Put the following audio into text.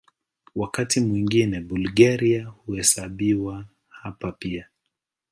Wakati mwingine Bulgaria huhesabiwa hapa pia.